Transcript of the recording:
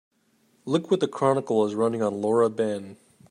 Look what the Chronicle is running on Laura Ben.